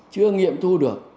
chưa nghiệm thu được